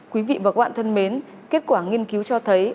quý vị và các bạn thân mến kết quả nghiên cứu cho thấy